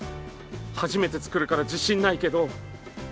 初めて作るから自信ないけどいい？